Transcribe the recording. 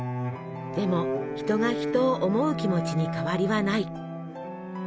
でも「人が人を思う気持ち」に変わりはない。